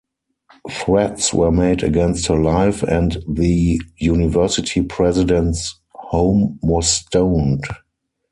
Threats were made against her life and the University president's home was stoned.